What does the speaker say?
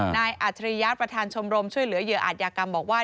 อัจฉริยะประธานชมรมช่วยเหลือเหยื่ออาจยากรรมบอกว่า